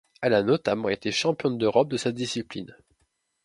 Elle a notamment été championne d'Europe de sa discipline.